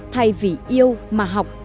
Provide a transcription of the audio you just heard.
thay vì yêu mà học